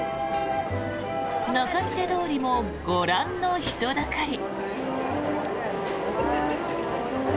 仲見世通りもご覧の人だかり。